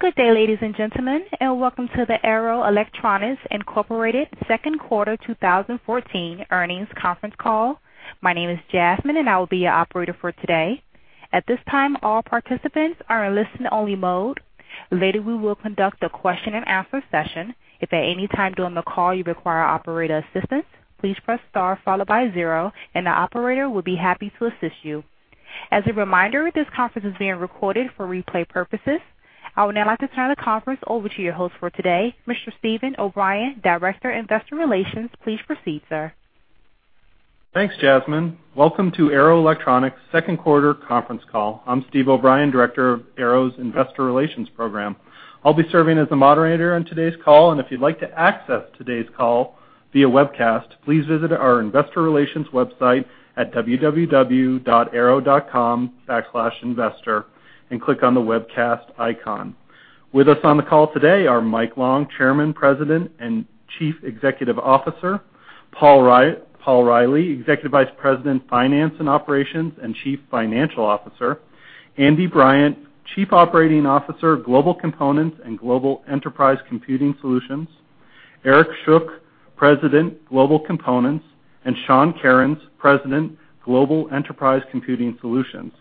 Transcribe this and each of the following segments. Good day, ladies and gentlemen, and welcome to the Arrow Electronics Incorporated Second Quarter 2014 Earnings Conference Call. My name is Jasmine, and I will be your operator for today. At this time, all participants are in listen-only mode. Later, we will conduct a question-and-answer session. If at any time during the call you require operator assistance, please press star followed by zero, and the operator will be happy to assist you. As a reminder, this conference is being recorded for replay purposes. I would now like to turn the conference over to your host for today, Mr. Steven O'Brien, Director, Investor Relations. Please proceed, sir. Thanks, Jasmine. Welcome to Arrow Electronics' second quarter conference call. I'm Steve O'Brien, Director of Arrow's Investor Relations program. I'll be serving as the moderator on today's call, and if you'd like to access today's call via webcast, please visit our investor relations website at www.arrow.com/investor and click on the Webcast icon. With us on the call today are Mike Long, Chairman, President, and Chief Executive Officer; Paul Reilly, Executive Vice President, Finance and Operations, and Chief Financial Officer; Andy Bryant, Chief Operating Officer, Global Components and Global Enterprise Computing Solutions; Eric Schuck, President, Global Components; and Sean Kerins, President, Global Enterprise Computing Solutions.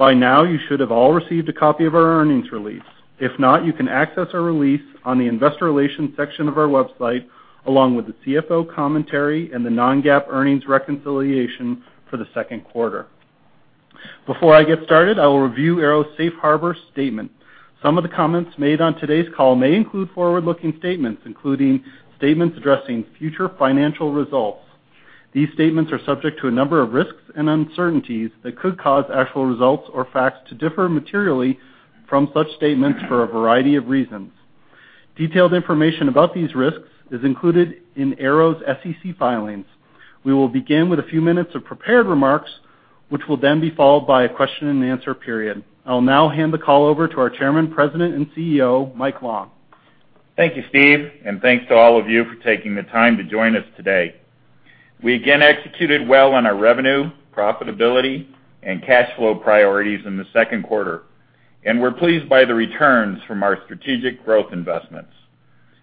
By now, you should have all received a copy of our earnings release. If not, you can access our release on the investor relations section of our website, along with the CFO commentary and the non-GAAP earnings reconciliation for the second quarter. Before I get started, I will review Arrow's safe harbor statement. Some of the comments made on today's call may include forward-looking statements, including statements addressing future financial results. These statements are subject to a number of risks and uncertainties that could cause actual results or facts to differ materially from such statements for a variety of reasons. Detailed information about these risks is included in Arrow's SEC filings. We will begin with a few minutes of prepared remarks, which will then be followed by a question-and-answer period. I'll now hand the call over to our Chairman, President, and CEO, Mike Long. Thank you, Steve, and thanks to all of you for taking the time to join us today. We again executed well on our revenue, profitability, and cash flow priorities in the second quarter, and we're pleased by the returns from our strategic growth investments.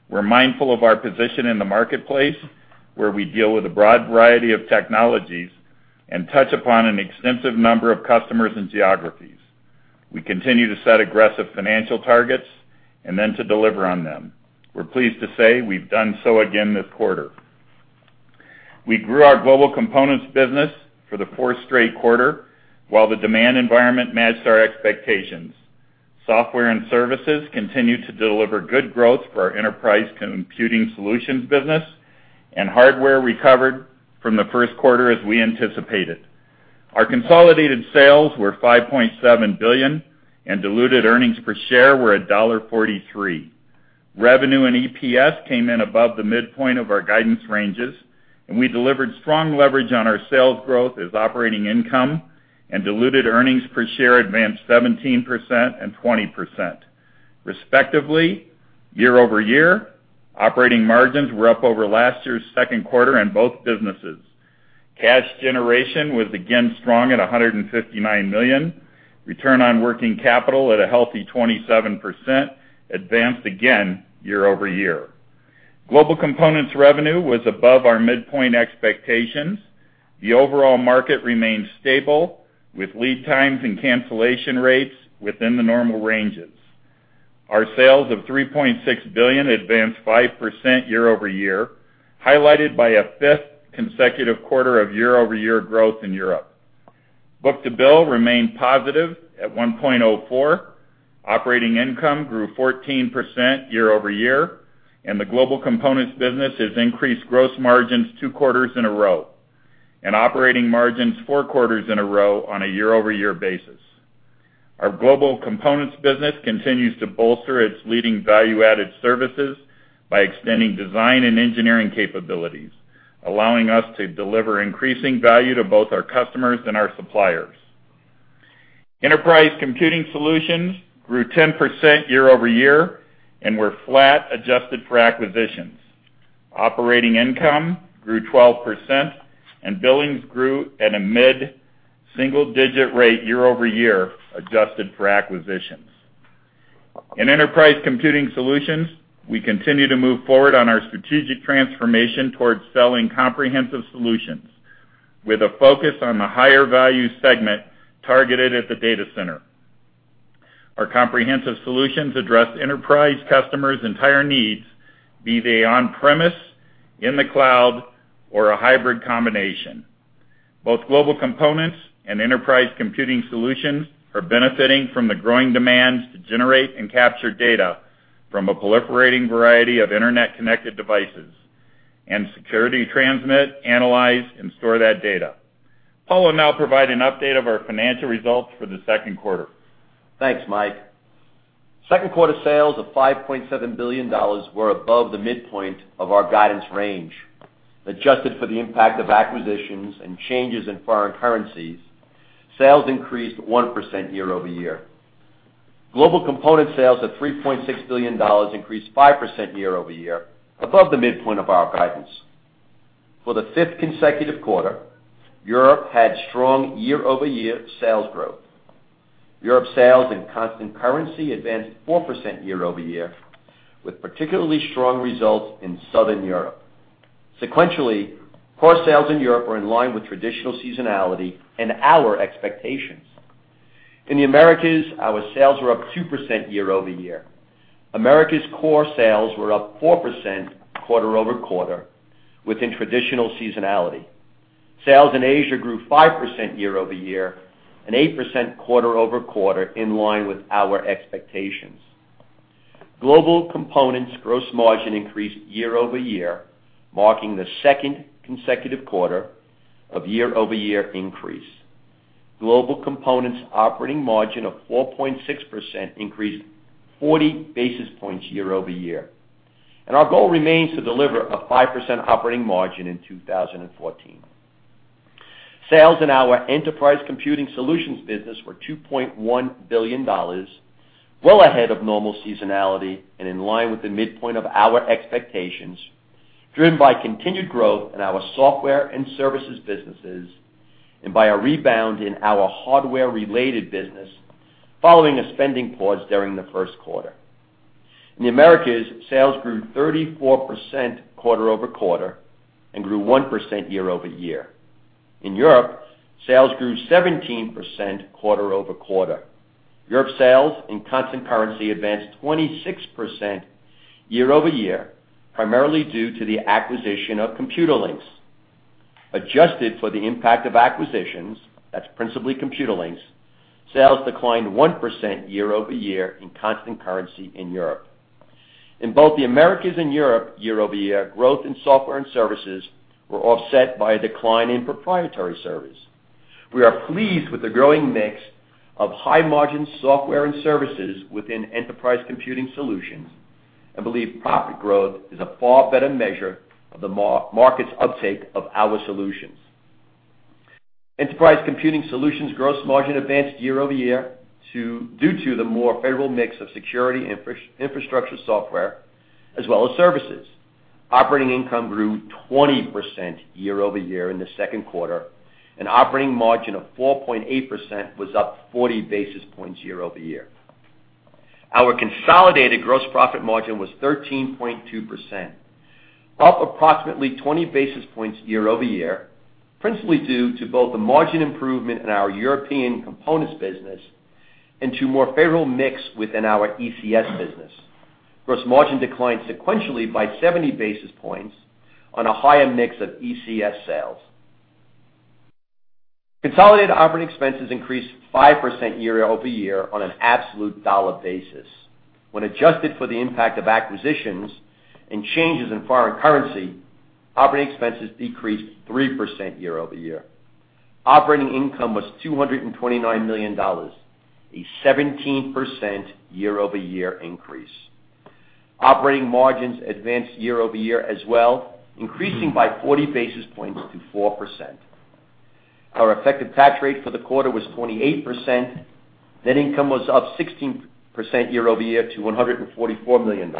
We're mindful of our position in the marketplace, where we deal with a broad variety of technologies and touch upon an extensive number of customers and geographies. We continue to set aggressive financial targets and then to deliver on them. We're pleased to say we've done so again this quarter. We grew our Global Components business for the fourth straight quarter, while the demand environment matched our expectations. Software and services continued to deliver good growth for our Enterprise Computing Solutions business, and hardware recovered from the first quarter as we anticipated. Our consolidated sales were $5.7 billion, and diluted earnings per share were at $1.43. Revenue and EPS came in above the midpoint of our guidance ranges, and we delivered strong leverage on our sales growth as operating income and diluted earnings per share advanced 17% and 20%, respectively. Year-over-year, operating margins were up over last year's second quarter in both businesses. Cash generation was again strong at $159 million. Return on working capital at a healthy 27%, advanced again year-over-year. Global Components revenue was above our midpoint expectations. The overall market remained stable, with lead times and cancellation rates within the normal ranges. Our sales of $3.6 billion advanced 5% year-over-year, highlighted by a fifth consecutive quarter of year-over-year growth in Europe. Book-to-bill remained positive at 1.04. Operating income grew 14% year-over-year, and the global components business has increased gross margins 2 quarters in a row and operating margins 4 quarters in a row on a year-over-year basis. Our global components business continues to bolster its leading value-added services by extending design and engineering capabilities, allowing us to deliver increasing value to both our customers and our suppliers. Enterprise Computing Solutions grew 10% year-over-year and were flat, adjusted for acquisitions. Operating income grew 12%, and billings grew at a mid-single digit rate year-over-year, adjusted for acquisitions. In Enterprise Computing Solutions, we continue to move forward on our strategic transformation towards selling comprehensive solutions, with a focus on the higher value segment targeted at the data center. Our comprehensive solutions address enterprise customers' entire needs, be they on-premise, in the cloud, or a hybrid combination. Both Global Components and Enterprise Computing Solutions are benefiting from the growing demands to generate and capture data from a proliferating variety of internet-connected devices and security, transmit, analyze, and store that data. Paul will now provide an update of our financial results for the second quarter. Thanks, Mike. Second quarter sales of $5.7 billion were above the midpoint of our guidance range. Adjusted for the impact of acquisitions and changes in foreign currencies, sales increased 1% year-over-year. Global component sales of $3.6 billion increased 5% year-over-year, above the midpoint of our guidance. ...For the 5th consecutive quarter, Europe had strong year-over-year sales growth. Europe sales in constant currency advanced 4% year-over-year, with particularly strong results in Southern Europe. Sequentially, core sales in Europe were in line with traditional seasonality and our expectations. In the Americas, our sales were up 2% year-over-year. Americas core sales were up 4% quarter-over-quarter, within traditional seasonality. Sales in Asia grew 5% year-over-year and 8% quarter-over-quarter, in line with our expectations. Global Components gross margin increased year-over-year, marking the second consecutive quarter of year-over-year increase. Global Components operating margin of 4.6% increased 40 basis points year-over-year. Our goal remains to deliver a 5% operating margin in 2014. Sales in our enterprise computing solutions business were $2.1 billion, well ahead of normal seasonality and in line with the midpoint of our expectations, driven by continued growth in our software and services businesses and by a rebound in our hardware-related business, following a spending pause during the first quarter. In the Americas, sales grew 34% quarter-over-quarter and grew 1% year-over-year. In Europe, sales grew 17% quarter-over-quarter. Europe sales in constant currency advanced 26% year-over-year, primarily due to the acquisition of Computerlinks. Adjusted for the impact of acquisitions, that's principally Computerlinks, sales declined 1% year-over-year in constant currency in Europe. In both the Americas and Europe, year-over-year, growth in software and services were offset by a decline in proprietary service. We are pleased with the growing mix of high-margin software and services within enterprise computing solutions, and believe profit growth is a far better measure of the market's uptake of our solutions. Enterprise computing solutions gross margin advanced year-over-year due to the more favorable mix of security infrastructure software, as well as services. Operating income grew 20% year-over-year in the second quarter, and operating margin of 4.8% was up 40 basis points year-over-year. Our consolidated gross profit margin was 13.2%, up approximately 20 basis points year-over-year, principally due to both the margin improvement in our European components business and to more favorable mix within our ECS business. Gross margin declined sequentially by 70 basis points on a higher mix of ECS sales. Consolidated operating expenses increased 5% year-over-year on an absolute dollar basis. When adjusted for the impact of acquisitions and changes in foreign currency, operating expenses decreased 3% year-over-year. Operating income was $229 million, a 17% year-over-year increase. Operating margins advanced year-over-year as well, increasing by 40 basis points to 4%. Our effective tax rate for the quarter was 28%. Net income was up 16% year-over-year to $144 million.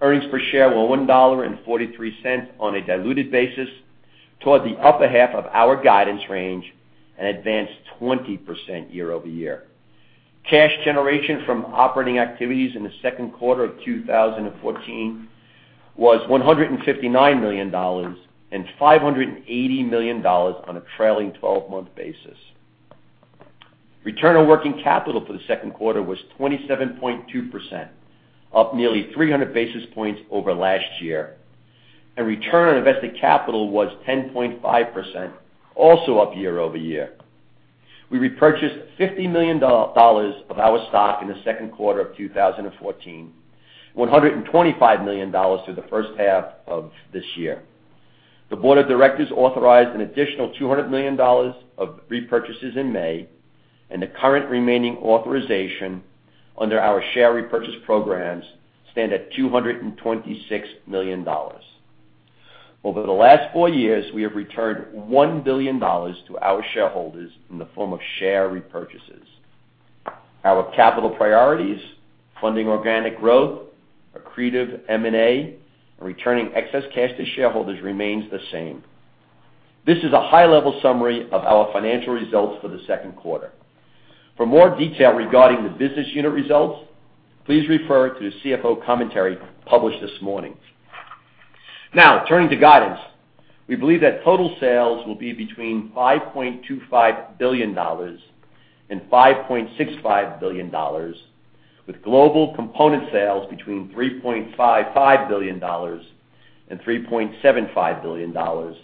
Earnings per share were $1.43 on a diluted basis, toward the upper half of our guidance range, and advanced 20% year-over-year. Cash generation from operating activities in the second quarter of 2014 was $159 million, and $580 million on a trailing twelve-month basis. Return on working capital for the second quarter was 27.2%, up nearly 300 basis points over last year, and return on invested capital was 10.5%, also up year-over-year. We repurchased $50 million of our stock in the second quarter of 2014, $125 million through the first half of this year. The board of directors authorized an additional $200 million of repurchases in May, and the current remaining authorization under our share repurchase programs stand at $226 million. Over the last 4 years, we have returned $1 billion to our shareholders in the form of share repurchases. Our capital priorities, funding organic growth, accretive M&A, and returning excess cash to shareholders, remains the same. This is a high-level summary of our financial results for the second quarter. For more detail regarding the business unit results, please refer to the CFO commentary published this morning. Now, turning to guidance. We believe that total sales will be between $5.25 billion and $5.65 billion, with global component sales between $3.55 billion and $3.75 billion, and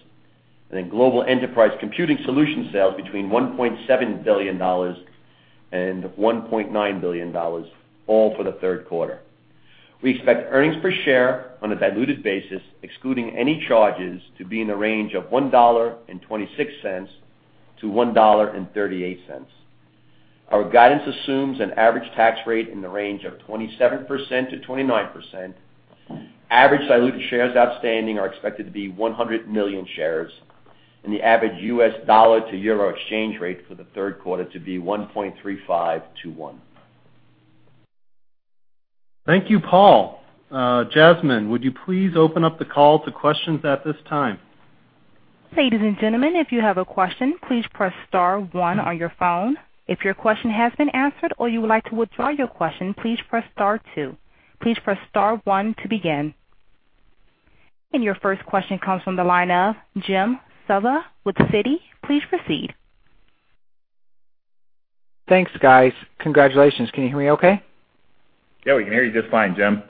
then global enterprise computing solution sales between $1.7 billion and $1.9 billion, all for the third quarter. We expect earnings per share on a diluted basis, excluding any charges, to be in the range of $1.26-$1.38. Our guidance assumes an average tax rate in the range of 27%-29%. Average diluted shares outstanding are expected to be 100 million shares, and the average U.S. dollar to euro exchange rate for the third quarter to be 1.3521. Thank you, Paul. Jasmine, would you please open up the call to questions at this time? Ladies and gentlemen, if you have a question, please press star one on your phone. If your question has been answered or you would like to withdraw your question, please press star two. Please press star one to begin. Your first question comes from the line of Jim Suva with Citi. Please proceed. Thanks, guys. Congratulations. Can you hear me okay? Yeah, we can hear you just fine, Jim.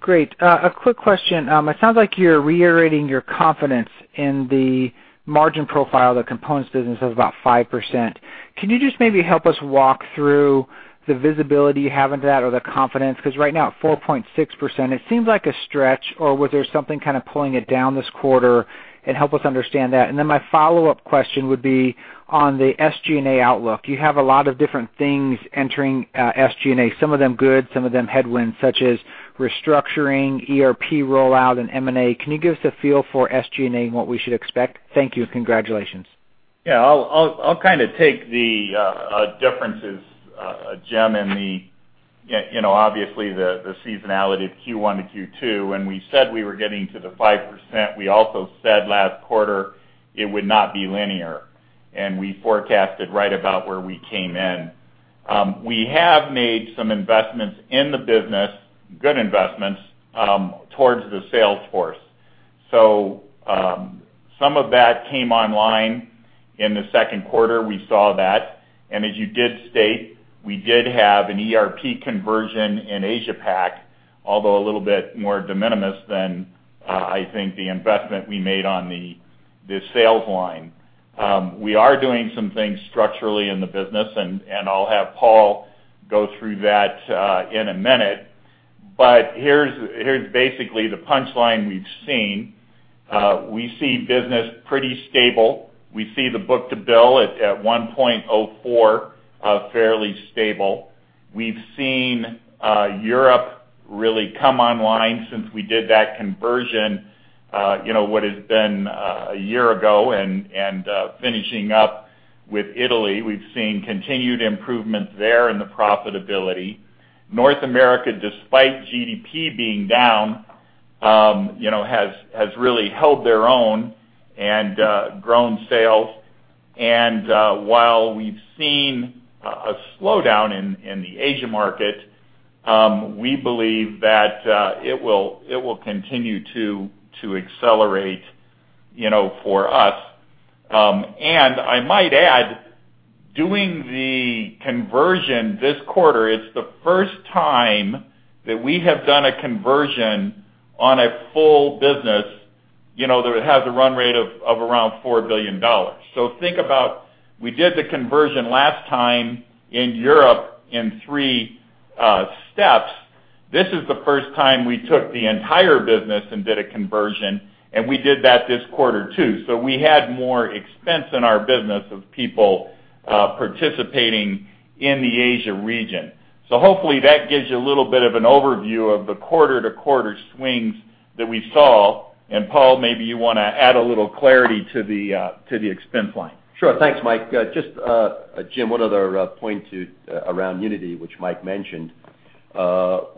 Great. A quick question. It sounds like you're reiterating your confidence in the margin profile, the components business of about 5%. Can you just maybe help us walk through the visibility you have into that or the confidence? Because right now, at 4.6%, it seems like a stretch, or was there something kind of pulling it down this quarter, and help us understand that. And then my follow-up question would be on the SG&A outlook. You have a lot of different things entering, SG&A, some of them good, some of them headwinds, such as restructuring, ERP rollout, and M&A. Can you give us a feel for SG&A and what we should expect? Thank you, and congratulations. Yeah, I'll kind of take the differences, Jim, in the you know, obviously, the seasonality of Q1 to Q2, when we said we were getting to the 5%, we also said last quarter, it would not be linear, and we forecasted right about where we came in. We have made some investments in the business, good investments, towards the sales force. So, some of that came online in the second quarter. We saw that, and as you did state, we did have an ERP conversion in Asia Pac, although a little bit more de minimis than I think the investment we made on the sales line. We are doing some things structurally in the business, and I'll have Paul go through that in a minute. But here's basically the punchline we've seen. We see business pretty stable. We see the book-to-bill at 1.04, fairly stable. We've seen Europe really come online since we did that conversion, you know, what has been a year ago and finishing up with Italy. We've seen continued improvements there in the profitability. North America, despite GDP being down, you know, has really held their own and grown sales. And while we've seen a slowdown in the Asia market, we believe that it will continue to accelerate, you know, for us. And I might add, doing the conversion this quarter, it's the first time that we have done a conversion on a full business, you know, that it has a run rate of around $4 billion. So think about, we did the conversion last time in Europe in three steps. This is the first time we took the entire business and did a conversion, and we did that this quarter, too. So we had more expense in our business of people participating in the Asia region. So hopefully that gives you a little bit of an overview of the quarter-to-quarter swings that we saw. And Paul, maybe you wanna add a little clarity to the expense line. Sure. Thanks, Mike. Just, Jim, one other point to around Unity, which Mike mentioned.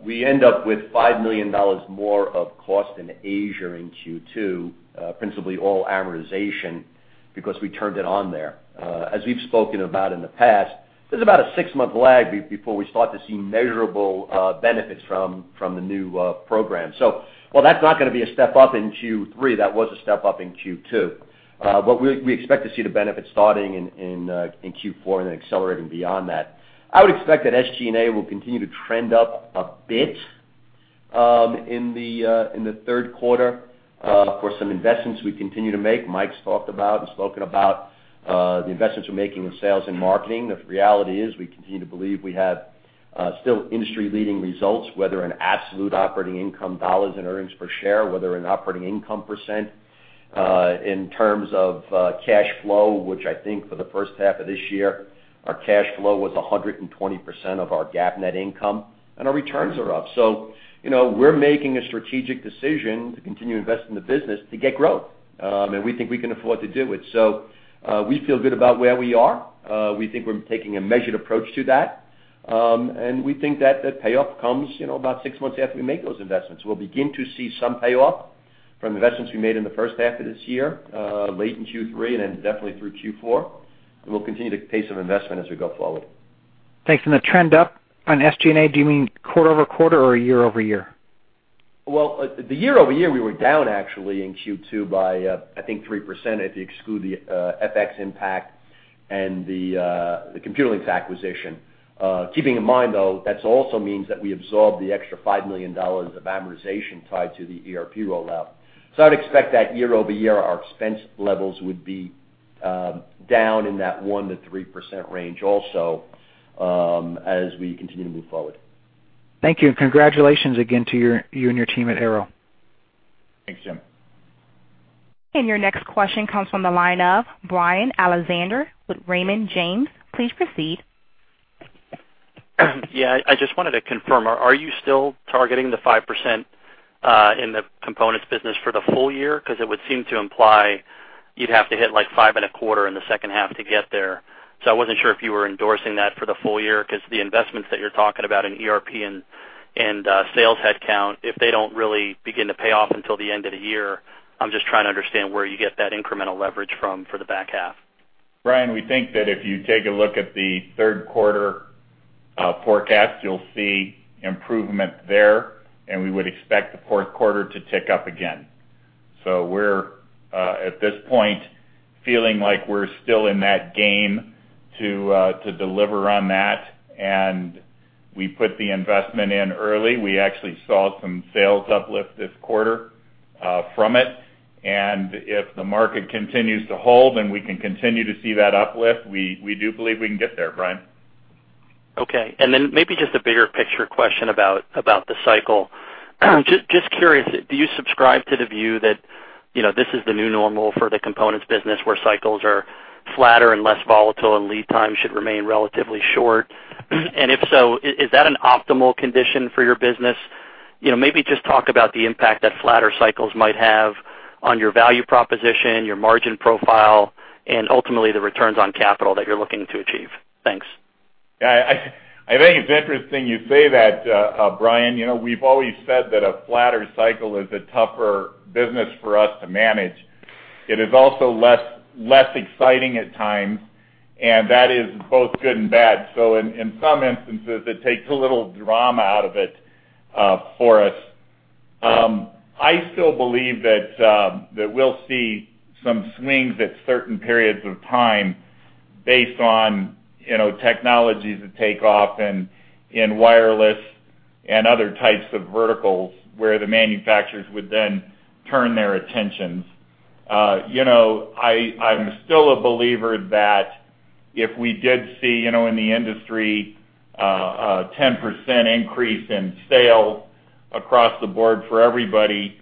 We end up with $5 million more of cost in Asia in Q2, principally all amortization, because we turned it on there. As we've spoken about in the past, there's about a six-month lag before we start to see measurable benefits from the new program. So while that's not gonna be a step up in Q3, that was a step up in Q2. But we expect to see the benefits starting in Q4 and then accelerating beyond that. I would expect that SG&A will continue to trend up a bit in the third quarter for some investments we continue to make. Mike's talked about and spoken about the investments we're making in sales and marketing. The reality is, we continue to believe we have still industry-leading results, whether in absolute operating income dollars and earnings per share, whether in operating income percent, in terms of cash flow, which I think for the first half of this year, our cash flow was 120% of our GAAP net income, and our returns are up. So you know, we're making a strategic decision to continue to invest in the business to get growth, and we think we can afford to do it. So, we feel good about where we are. We think we're taking a measured approach to that. And we think that the payoff comes, you know, about six months after we make those investments. We'll begin to see some payoff from investments we made in the first half of this year, late in Q3 and then definitely through Q4, and we'll continue the pace of investment as we go forward. Thanks. The trend up on SG&A, do you mean quarter-over-quarter or year-over-year? Well, the year-over-year, we were down actually in Q2 by, I think 3%, if you exclude the, FX impact and the, the Computerlinks acquisition. Keeping in mind, though, that's also means that we absorbed the extra $5 million of amortization tied to the ERP rollout. So I'd expect that year-over-year, our expense levels would be, down in that 1%-3% range also, as we continue to move forward. Thank you, and congratulations again to you and your team at Arrow. Thanks, Jim. Your next question comes from the line of Brian Alexander with Raymond James. Please proceed. Yeah, I just wanted to confirm, are you still targeting the 5%, in the components business for the full year? 'Cause it would seem to imply you'd have to hit, like, 5.25% in the second half to get there. So I wasn't sure if you were endorsing that for the full year, 'cause the investments that you're talking about in ERP and sales headcount, if they don't really begin to pay off until the end of the year, I'm just trying to understand where you get that incremental leverage from for the back half. Brian, we think that if you take a look at the third quarter forecast, you'll see improvement there, and we would expect the fourth quarter to tick up again. So we're, at this point, feeling like we're still in that game to deliver on that, and we put the investment in early. We actually saw some sales uplift this quarter from it, and if the market continues to hold and we can continue to see that uplift, we do believe we can get there, Brian. Okay. And then maybe just a bigger picture question about the cycle. Just curious, do you subscribe to the view that, you know, this is the new normal for the components business, where cycles are flatter and less volatile and lead time should remain relatively short? And if so, is that an optimal condition for your business? You know, maybe just talk about the impact that flatter cycles might have on your value proposition, your margin profile, and ultimately, the returns on capital that you're looking to achieve. Thanks. Yeah, I, I think it's interesting you say that, Brian. You know, we've always said that a flatter cycle is a tougher business for us to manage. It is also less exciting at times, and that is both good and bad. So in some instances, it takes a little drama out of it, for us. I still believe that, that we'll see some swings at certain periods of time based on, you know, technologies that take off in wireless and other types of verticals, where the manufacturers would then turn their attentions. You know, I'm still a believer that if we did see, you know, in the industry, a 10% increase in sales across the board for everybody,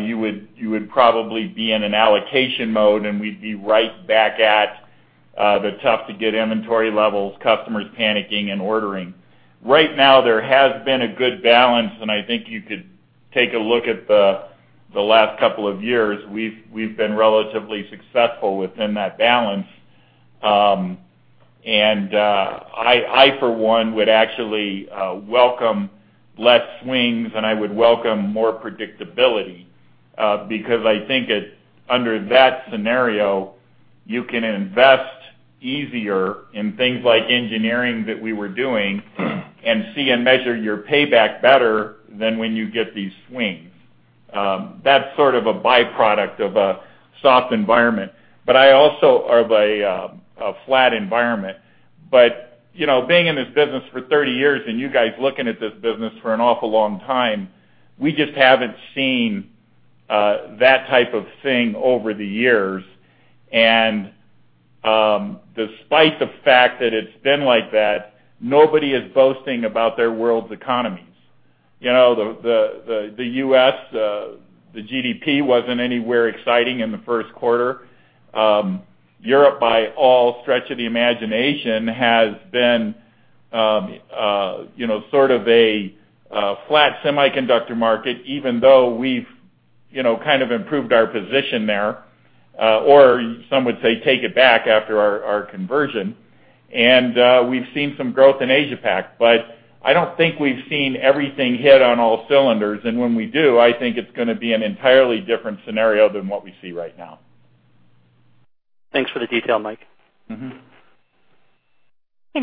you would probably be in an allocation mode, and we'd be right back at the tough-to-get inventory levels, customers panicking and ordering. Right now, there has been a good balance, and I think you could take a look at the last couple of years. We've been relatively successful within that balance. I, for one, would actually welcome less swings, and I would welcome more predictability, because I think it, under that scenario, you can invest easier in things like engineering that we were doing, and see and measure your payback better than when you get these swings. That's sort of a byproduct of a soft environment, but also of a flat environment. But, you know, being in this business for 30 years and you guys looking at this business for an awful long time, we just haven't seen that type of thing over the years. And, despite the fact that it's been like that, nobody is boasting about their world's economies. You know, the U.S., the GDP wasn't anywhere exciting in the first quarter. Europe, by all stretch of the imagination, has been, you know, sort of a flat semiconductor market, even though we've, you know, kind of improved our position there, or some would say, take it back after our conversion. We've seen some growth in Asia Pac, but I don't think we've seen everything hit on all cylinders, and when we do, I think it's gonna be an entirely different scenario than what we see right now. Thanks for the detail, Mike. Mm-hmm.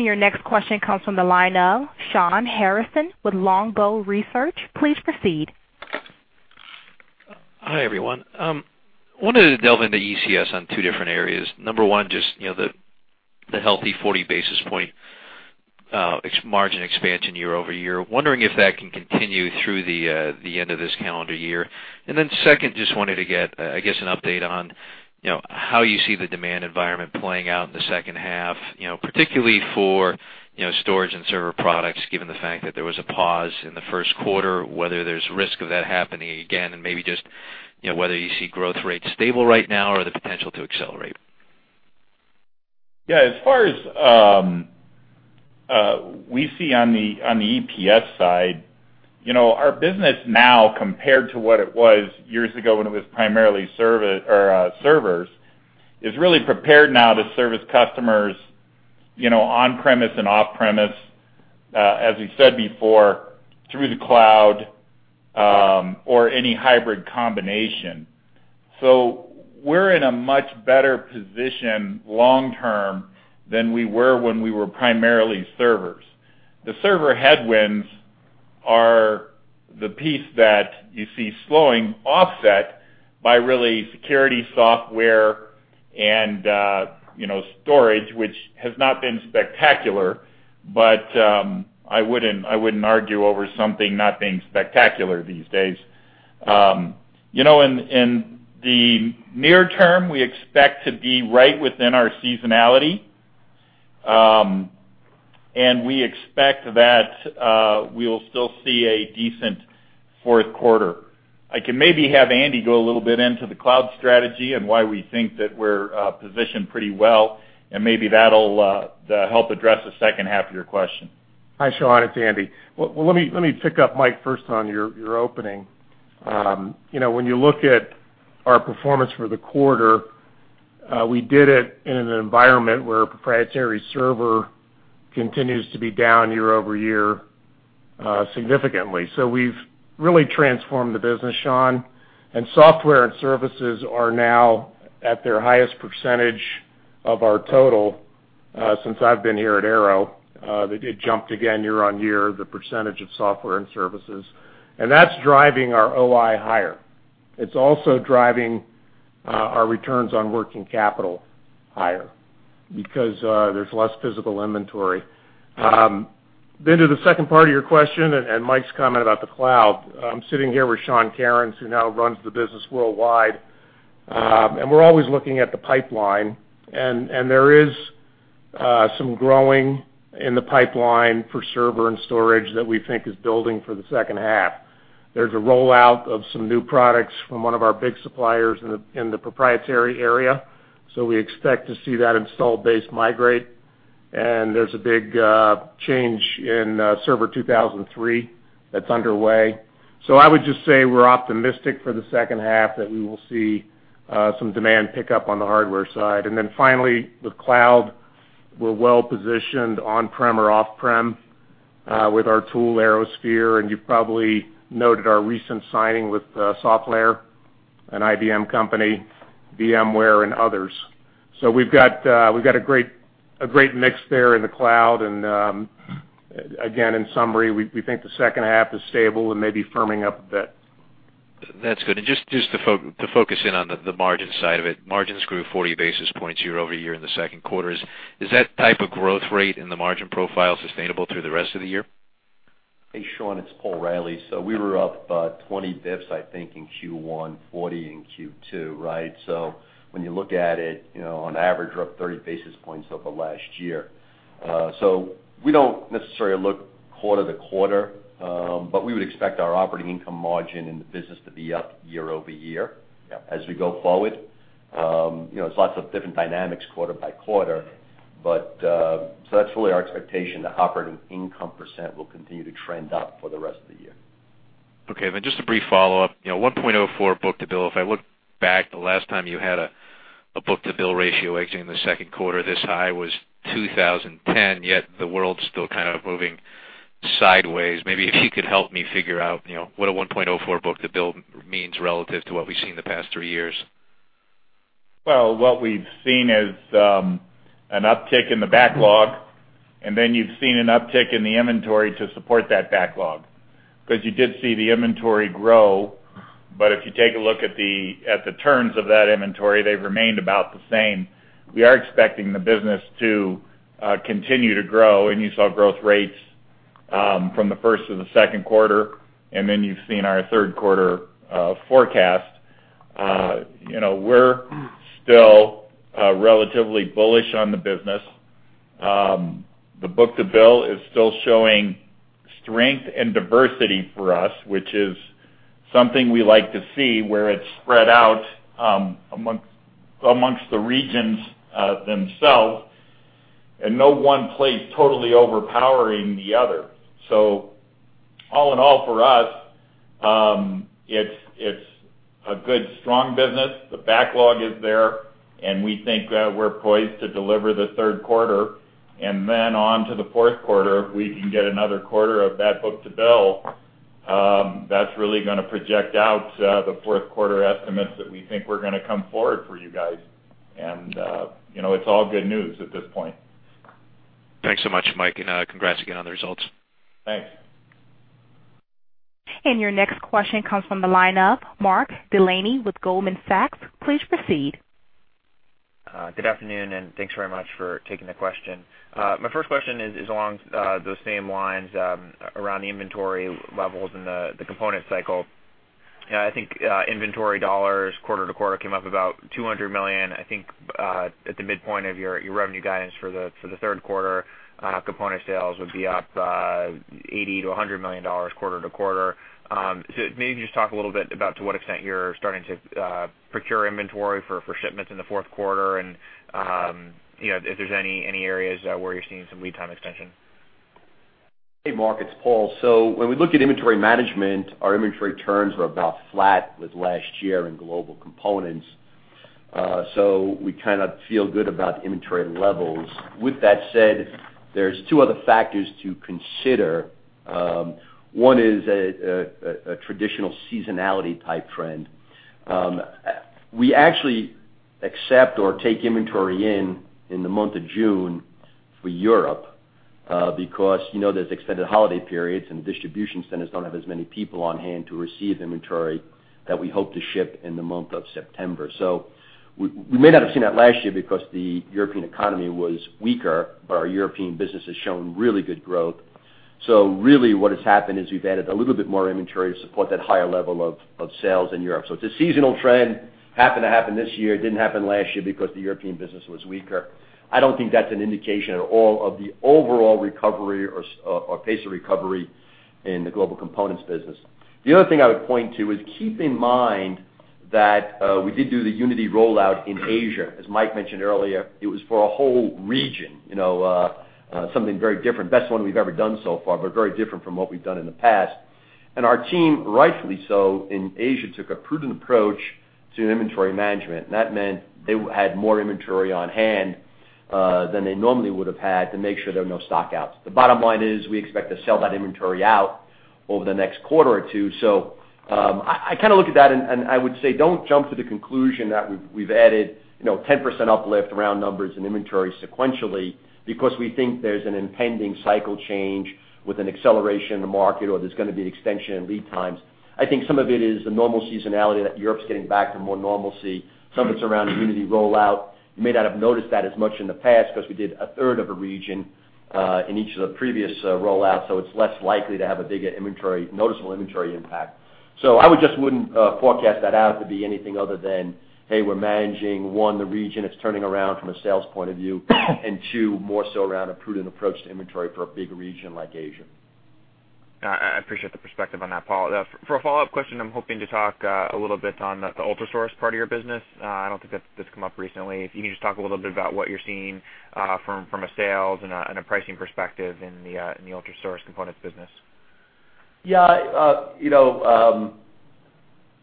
Your next question comes from the line of Shawn Harrison with Longbow Research. Please proceed. Hi, everyone. Wanted to delve into ECS on two different areas. Number one, just, you know, the healthy 40 basis point ex- margin expansion year-over-year. Wondering if that can continue through the end of this calendar year. And then second, just wanted to get, I guess, an update on, you know, how you see the demand environment playing out in the second half, you know, particularly for, you know, storage and server products, given the fact that there was a pause in the first quarter, whether there's risk of that happening again, and maybe just, you know, whether you see growth rates stable right now, or the potential to accelerate? Yeah, as far as we see on the EPS side, you know, our business now, compared to what it was years ago when it was primarily servers, is really prepared now to service customers, you know, on-premise and off-premise, as we said before, through the cloud, or any hybrid combination. So we're in a much better position long term than we were when we were primarily servers. The server headwinds are the piece that you see slowing, offset by really security software and, you know, storage, which has not been spectacular, but I wouldn't argue over something not being spectacular these days. You know, in the near term, we expect to be right within our seasonality, and we expect that we will still see a decent fourth quarter. I can maybe have Andy go a little bit into the cloud strategy and why we think that we're positioned pretty well, and maybe that'll help address the second half of your question. Hi, Sean, it's Andy. Well, let me pick up Mike first on your opening. You know, when you look at our performance for the quarter, we did it in an environment where proprietary server continues to be down year-over-year, significantly. So we've really transformed the business, Sean, and software and services are now at their highest percentage of our total, since I've been here at Arrow. It jumped again year-on-year, the percentage of software and services, and that's driving our OI higher. It's also driving our returns on working capital higher because there's less physical inventory. Then to the second part of your question and, and Mike's comment about the cloud, I'm sitting here with Sean Kerins, who now runs the business worldwide, and we're always looking at the pipeline, and, and there is some growing in the pipeline for server and storage that we think is building for the second half. There's a rollout of some new products from one of our big suppliers in the proprietary area, so we expect to see that installed base migrate. And there's a big change in Server 2003 that's underway. So I would just say we're optimistic for the second half that we will see some demand pick up on the hardware side. Then finally, the cloud, we're well positioned on-prem or off-prem with our tool, ArrowSphere, and you probably noted our recent signing with SoftLayer, an IBM company, VMware, and others. So we've got a great mix there in the cloud, and again, in summary, we think the second half is stable and maybe firming up a bit. That's good. And just to focus in on the margin side of it, margins grew 40 basis points year-over-year in the second quarter. Is that type of growth rate in the margin profile sustainable through the rest of the year? Hey, Sean, it's Paul Reilly. So we were up about 20 bips, I think, in Q1, 40 in Q2, right? So when you look at it, you know, on average, we're up 30 basis points over last year. So we don't necessarily look quarter-to-quarter, but we would expect our operating income margin in the business to be up year-over-year- Yep... as we go forward. You know, there's lots of different dynamics quarter-by-quarter, but, so that's really our expectation, the operating income percent will continue to trend up for the rest of the year. Okay. Then just a brief follow-up. You know, 1.04 book-to-bill. If I look back, the last time you had a book-to-bill ratio exiting the second quarter, this high, was 2010, yet the world's still kind of moving sideways. Maybe if you could help me figure out, you know, what a 1.04 book-to-bill means relative to what we've seen in the past three years. Well, what we've seen is an uptick in the backlog, and then you've seen an uptick in the inventory to support that backlog. 'Cause you did see the inventory grow, but if you take a look at the terms of that inventory, they've remained about the same. We are expecting the business to continue to grow, and you saw growth rates from the first to the second quarter, and then you've seen our third quarter forecast. You know, we're still relatively bullish on the business. The book-to-bill is still showing strength and diversity for us, which is something we like to see, where it's spread out among the regions themselves, and no one place totally overpowering the other. So all in all, for us, it's a good, strong business. The backlog is there, and we think we're poised to deliver the third quarter and then on to the fourth quarter. If we can get another quarter of that book-to-bill, that's really gonna project out the fourth quarter estimates that we think we're gonna come forward for you guys. And, you know, it's all good news at this point. Thanks so much, Mike, and, congrats again on the results. Thanks. Your next question comes from the line of Mark Delaney with Goldman Sachs. Please proceed. Good afternoon, and thanks very much for taking the question. My first question is along those same lines, around the inventory levels and the component cycle. I think inventory dollars, quarter to quarter, came up about $200 million, I think, at the midpoint of your revenue guidance for the third quarter. Component sales would be up $80 million-$100 million, quarter to quarter. So maybe just talk a little bit about to what extent you're starting to procure inventory for shipments in the fourth quarter, and you know, if there's any areas where you're seeing some lead time extension. Hey, Mark, it's Paul. So when we look at inventory management, our inventory turns are about flat with last year in Global Components. So we kind of feel good about the inventory levels. With that said, there's two other factors to consider. One is a traditional seasonality type trend. We actually accept or take inventory in the month of June for Europe, because, you know, there's extended holiday periods, and distribution centers don't have as many people on hand to receive inventory that we hope to ship in the month of September. So we may not have seen that last year because the European economy was weaker, but our European business has shown really good growth. So really, what has happened is we've added a little bit more inventory to support that higher level of sales in Europe. So it's a seasonal trend. Happened to happen this year. It didn't happen last year because the European business was weaker. I don't think that's an indication at all of the overall recovery or pace of recovery in the global components business. The other thing I would point to is, keep in mind, that, we did do the Unity rollout in Asia. As Mike mentioned earlier, it was for a whole region, you know, something very different. Best one we've ever done so far, but very different from what we've done in the past. And our team, rightfully so, in Asia, took a prudent approach to inventory management, and that meant they had more inventory on hand, than they normally would have had to make sure there were no stockouts. The bottom line is, we expect to sell that inventory out over the next quarter or two. So, I kind of look at that, and I would say, don't jump to the conclusion that we've added, you know, 10% uplift around numbers and inventory sequentially because we think there's an impending cycle change with an acceleration in the market, or there's gonna be an extension in lead times. I think some of it is the normal seasonality that Europe's getting back to more normalcy, some of it's around the Unity rollout. You may not have noticed that as much in the past because we did a third of a region in each of the previous rollouts, so it's less likely to have a bigger inventory-noticeable inventory impact. I would just wouldn't forecast that out to be anything other than, hey, we're managing, one, the region, it's turning around from a sales point of view, and two, more so around a prudent approach to inventory for a big region like Asia. I appreciate the perspective on that, Paul. For a follow-up question, I'm hoping to talk a little bit on the Altera part of your business. I don't think that's come up recently. If you can just talk a little bit about what you're seeing from a sales and a pricing perspective in the Altera components business. Yeah, you know,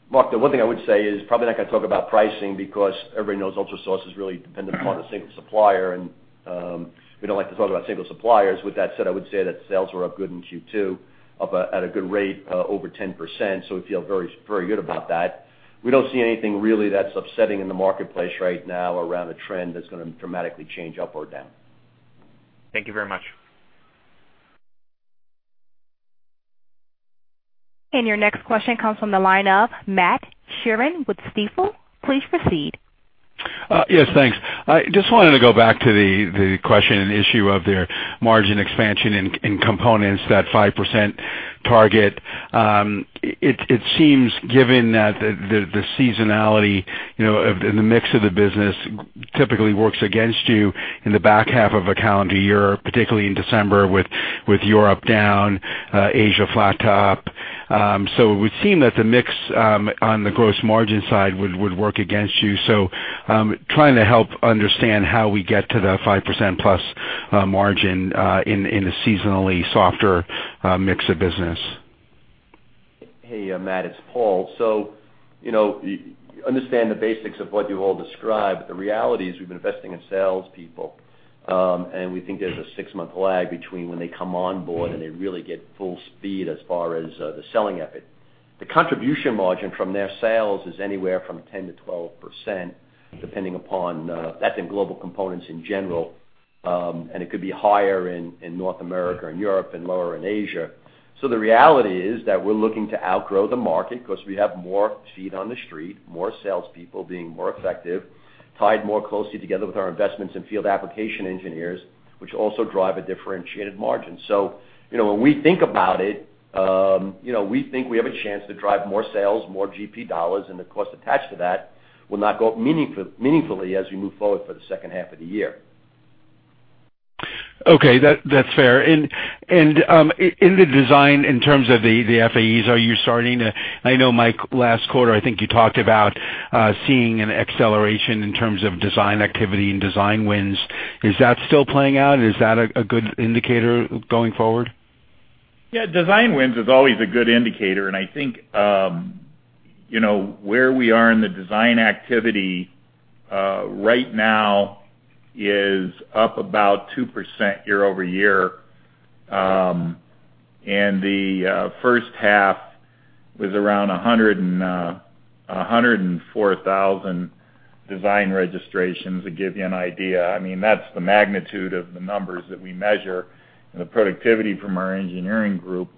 Mark, the one thing I would say is probably not going to talk about pricing because everybody knows Altera is really dependent upon a single supplier, and we don't like to talk about single suppliers. With that said, I would say that sales were up good in Q2, up at a good rate, over 10%, so we feel very, very good about that. We don't see anything really that's upsetting in the marketplace right now around a trend that's gonna dramatically change up or down. Thank you very much. Your next question comes from the line of Matt Sheerin with Stifel. Please proceed. Yes, thanks. I just wanted to go back to the question and issue of their margin expansion in components, that 5% target. It seems, given that the seasonality, you know, of and the mix of the business typically works against you in the back half of a calendar year, particularly in December, with Europe down, Asia flat, too. So it would seem that the mix on the gross margin side would work against you. So, trying to help understand how we get to the 5%+ margin in a seasonally softer mix of business. Hey, Matt, it's Paul. So, you know, you understand the basics of what you all describe, but the reality is we've been investing in salespeople. And we think there's a six-month lag between when they come on board and they really get full speed as far as the selling effort. The contribution margin from their sales is anywhere from 10%-12%, depending upon, that's in Global Components in general, and it could be higher in North America and Europe and lower in Asia. So the reality is that we're looking to outgrow the market because we have more feet on the street, more salespeople being more effective, tied more closely together with our investments in field application engineers, which also drive a differentiated margin. So, you know, when we think about it, you know, we think we have a chance to drive more sales, more GP dollars, and the cost attached to that will not go up meaningfully as we move forward for the second half of the year. Okay, that's fair. In the design, in terms of the FAEs, are you starting to... I know, Mike, last quarter, I think you talked about seeing an acceleration in terms of design activity and design wins. Is that still playing out? Is that a good indicator going forward? Yeah, design wins is always a good indicator, and I think, you know, where we are in the design activity, right now is up about 2% year-over-year. And the first half was around a hundred and four thousand design registrations, to give you an idea. I mean, that's the magnitude of the numbers that we measure and the productivity from our engineering group.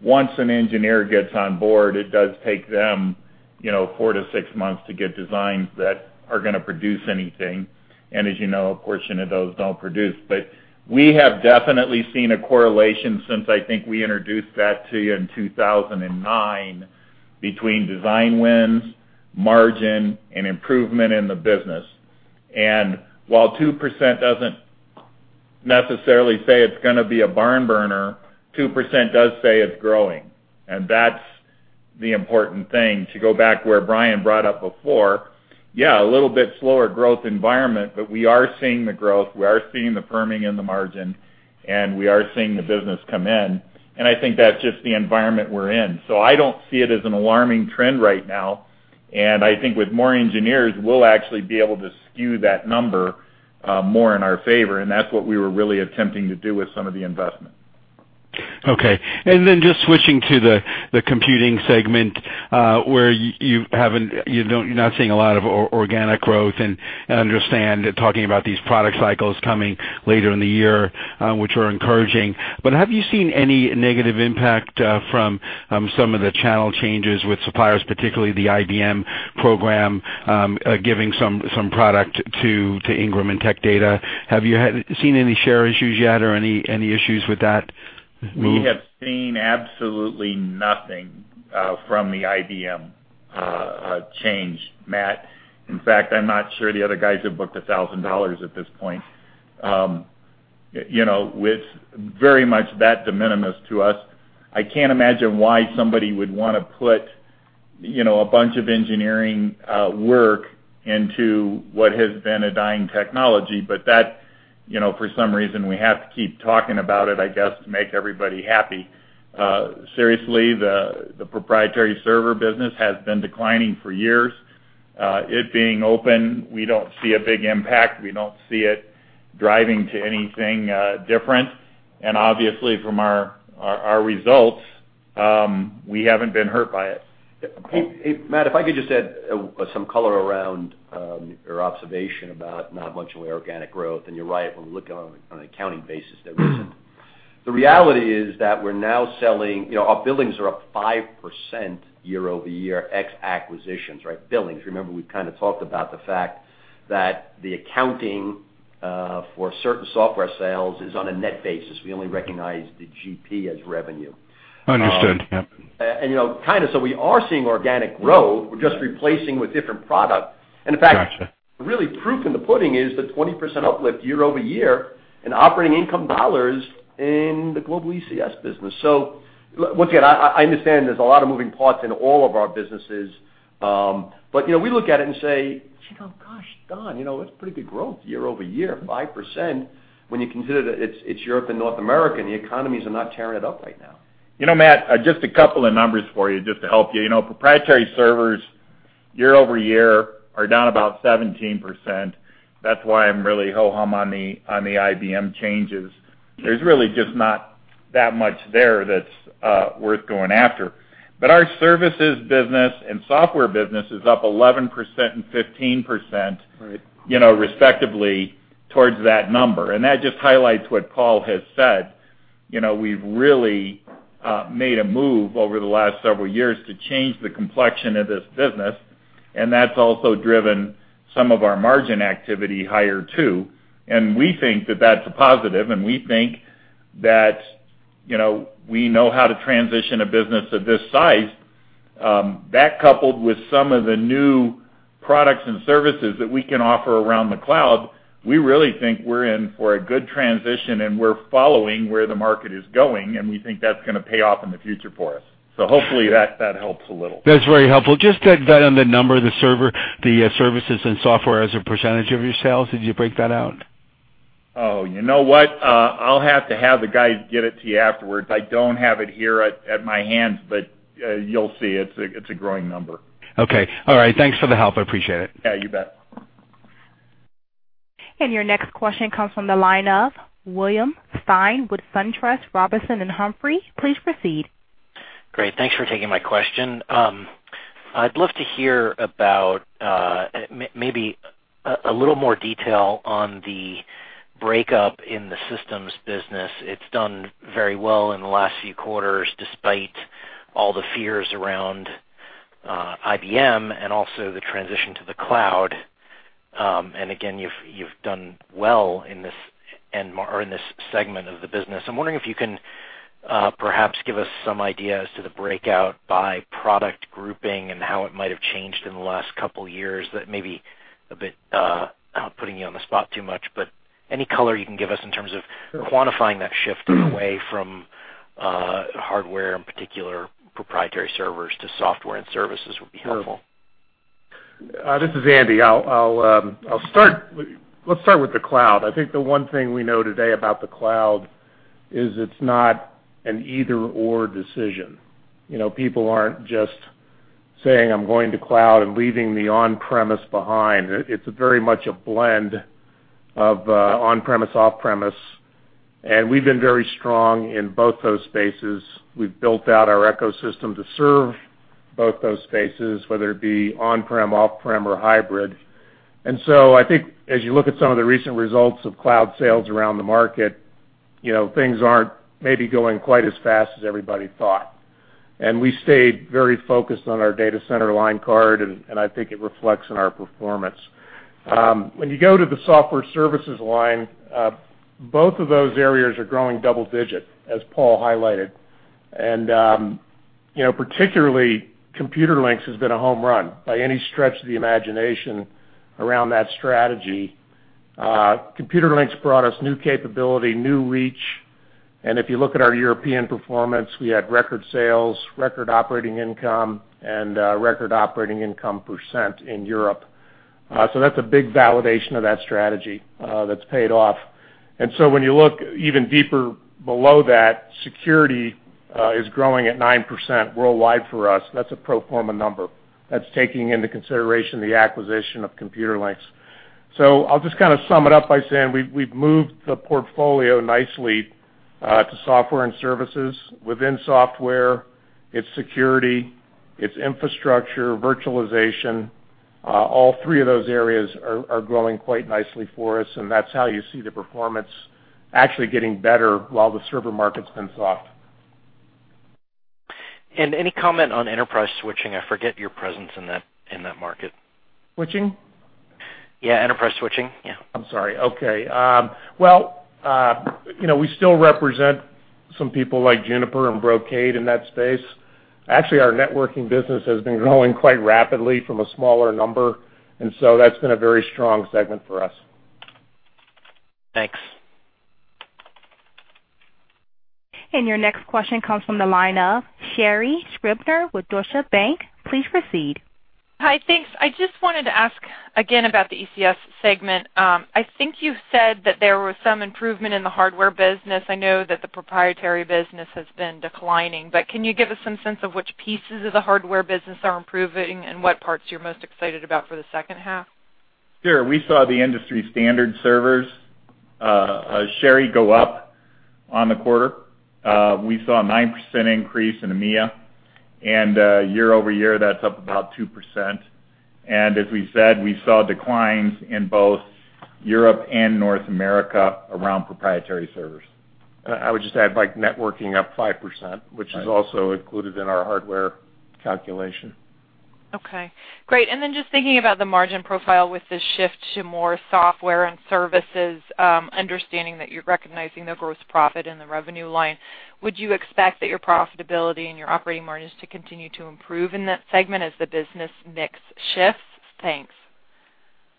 Once an engineer gets on board, it does take them, you know, four to six months to get designs that are gonna produce anything. And as you know, a portion of those don't produce. But we have definitely seen a correlation since I think we introduced that to you in 2009, between design wins, margin, and improvement in the business. While 2% doesn't necessarily say it's gonna be a barn burner, 2% does say it's growing, and that's the important thing. To go back where Brian brought up before, yeah, a little bit slower growth environment, but we are seeing the growth, we are seeing the firming in the margin, and we are seeing the business come in, and I think that's just the environment we're in. So I don't see it as an alarming trend right now, and I think with more engineers, we'll actually be able to skew that number more in our favor, and that's what we were really attempting to do with some of the investment. Okay. And then just switching to the computing segment, where you haven't, you don't, you're not seeing a lot of organic growth, and I understand talking about these product cycles coming later in the year, which are encouraging. But have you seen any negative impact from some of the channel changes with suppliers, particularly the IBM program, giving some product to Ingram and Tech Data? Have you seen any share issues yet or any issues with that move? We have seen absolutely nothing from the IBM change, Matt. In fact, I'm not sure the other guys have booked $1,000 at this point.... you know, with very much that de minimis to us, I can't imagine why somebody would want to put, you know, a bunch of engineering work into what has been a dying technology. But that, you know, for some reason, we have to keep talking about it, I guess, to make everybody happy. Seriously, the proprietary server business has been declining for years. It being open, we don't see a big impact, we don't see it driving to anything different. And obviously, from our results, we haven't been hurt by it. Hey, hey, Matt, if I could just add some color around your observation about not much of organic growth, and you're right, when we look on an accounting basis, there isn't. The reality is that we're now selling, you know, our billings are up 5% year-over-year, ex acquisitions, right? Billings. Remember, we've kind of talked about the fact that the accounting for certain software sales is on a net basis. We only recognize the GP as revenue. Understood, yep. You know, kind of, so we are seeing organic growth. We're just replacing with different product. Got you. In fact, really, proof in the pudding is the 20% uplift year-over-year in operating income dollars in the global ECS business. So once again, I understand there's a lot of moving parts in all of our businesses, but, you know, we look at it and say, "You know, gosh, Don, you know, that's pretty good growth year-over-year, 5%, when you consider that it's, it's Europe and North America, and the economies are not tearing it up right now. You know, Matt, just a couple of numbers for you, just to help you. You know, proprietary servers, year-over-year, are down about 17%. That's why I'm really ho-hum on the, on the IBM changes. There's really just not that much there that's worth going after. But our services business and software business is up 11% and 15%- Right... you know, respectively, towards that number. And that just highlights what Paul has said. You know, we've really made a move over the last several years to change the complexion of this business, and that's also driven some of our margin activity higher, too. And we think that that's a positive, and we think that, you know, we know how to transition a business of this size. That coupled with some of the new products and services that we can offer around the cloud, we really think we're in for a good transition, and we're following where the market is going, and we think that's gonna pay off in the future for us. So hopefully, that helps a little. That's very helpful. Just to dive on the number, the server, the services and software as a percentage of your sales, did you break that out? Oh, you know what? I'll have to have the guy get it to you afterwards. I don't have it here at my hands, but you'll see, it's a growing number. Okay. All right, thanks for the help. I appreciate it. Yeah, you bet. Your next question comes from the line of William Stein with SunTrust Robinson Humphrey. Please proceed. Great. Thanks for taking my question. I'd love to hear about maybe a little more detail on the breakdown in the systems business. It's done very well in the last few quarters, despite all the fears around IBM and also the transition to the cloud. And again, you've done well in this end market or in this segment of the business. I'm wondering if you can perhaps give us some idea as to the breakout by product grouping and how it might have changed in the last couple of years. That may be a bit putting you on the spot too much, but any color you can give us in terms of quantifying that shift away from hardware, in particular, proprietary servers to software and services would be helpful. Sure. This is Andy. I'll start with—let's start with the cloud. I think the one thing we know today about the cloud is it's not an either/or decision. You know, people aren't just saying, "I'm going to cloud," and leaving the on-premise behind. It's a very much a blend of on-premise, off-premise, and we've been very strong in both those spaces. We've built out our ecosystem to serve both those spaces, whether it be on-prem, off-prem, or hybrid. And so I think as you look at some of the recent results of cloud sales around the market, you know, things aren't maybe going quite as fast as everybody thought. And we stayed very focused on our data center line card, and I think it reflects in our performance. When you go to the software services line, both of those areas are growing double digit, as Paul highlighted. And, you know, particularly, Computerlinks has been a home run by any stretch of the imagination around that strategy. Computerlinks brought us new capability, new reach, and if you look at our European performance, we had record sales, record operating income, and record operating income percent in Europe. So that's a big validation of that strategy, that's paid off. And so when you look even deeper below that, security is growing at 9% worldwide for us. That's a pro forma number. That's taking into consideration the acquisition of Computerlinks. So I'll just kind of sum it up by saying we've moved the portfolio nicely to software and services. Within software, it's security, it's infrastructure, virtualization. All three of those areas are growing quite nicely for us, and that's how you see the performance actually getting better while the server market's been soft. Any comment on enterprise switching? I forget your presence in that, in that market. Switching? Yeah, enterprise switching. Yeah. I'm sorry. Okay. Well, you know, we still represent some people like Juniper and Brocade in that space. Actually, our networking business has been growing quite rapidly from a smaller number, and so that's been a very strong segment for us. Thanks. Your next question comes from the line of Sherri Scribner with Deutsche Bank. Please proceed. Hi, thanks. I just wanted to ask again about the ECS segment. I think you said that there was some improvement in the hardware business. I know that the proprietary business has been declining, but can you give us some sense of which pieces of the hardware business are improving and what parts you're most excited about for the second half? Sure. We saw the industry standard servers, Sherri, go up on the quarter. We saw a 9% increase in EMEA, and, year-over-year, that's up about 2%. And as we said, we saw declines in both Europe and North America around proprietary servers. I would just add, like, networking up 5%, which is also included in our hardware calculation. Okay, great. And then just thinking about the margin profile with the shift to more software and services, understanding that you're recognizing the gross profit in the revenue line, would you expect that your profitability and your operating margins to continue to improve in that segment as the business mix shifts? Thanks.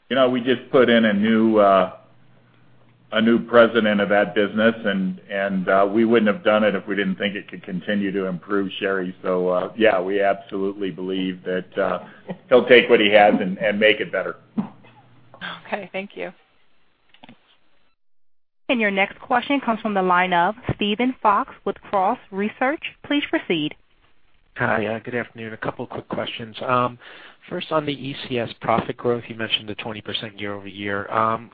You know, we just put in a new, a new president of that business, and, and, we wouldn't have done it if we didn't think it could continue to improve, Sherri. So, yeah, we absolutely believe that, he'll take what he has and, and make it better. Okay, thank you. And your next question comes from the line of Steven Fox with Cross Research. Please proceed. Hi, good afternoon. A couple of quick questions. First, on the ECS profit growth, you mentioned the 20% year-over-year.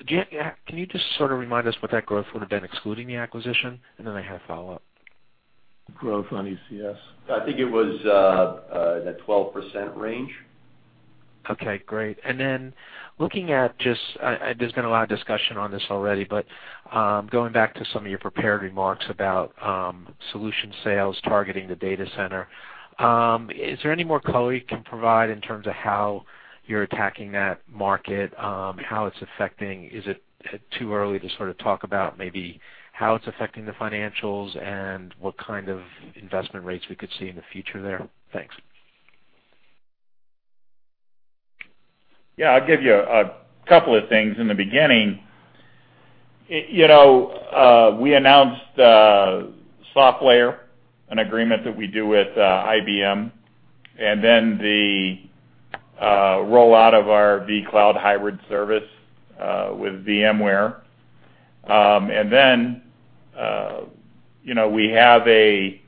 Do you have, can you just sort of remind us what that growth would have been, excluding the acquisition? And then I have a follow-up. Growth on ECS? I think it was in the 12% range. Okay, great. And then looking at just, there's been a lot of discussion on this already, but, going back to some of your prepared remarks about, solution sales targeting the data center, is there any more color you can provide in terms of how you're attacking that market, how it's affecting? Is it too early to sort of talk about maybe how it's affecting the financials and what kind of investment rates we could see in the future there? Thanks. Yeah, I'll give you a couple of things. In the beginning, you know, we announced SoftLayer, an agreement that we do with IBM, and then the rollout of our vCloud Hybrid Service with VMware. And then you know, we have a